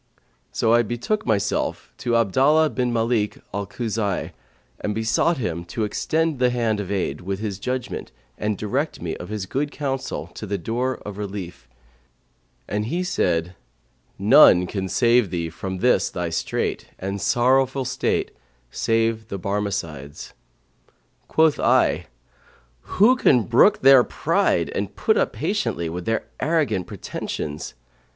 So I betook myself to Abdallah bin Mαlik al Khuza'ν[FN#136] and besought him to extend the hand of aid with his judgement and direct me of his good counsel to the door of relief; and he said, None can save thee from this thy strait and sorrowful state save the Barmecides.' Quoth I, Who can brook their pride and put up patiently with their arrogant pretensions?'